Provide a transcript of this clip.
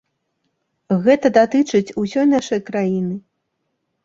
Гэта датычыць усёй нашай краіны.